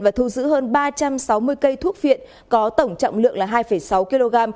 và thu giữ hơn ba trăm sáu mươi cây thuốc viện có tổng trọng lượng là hai sáu kg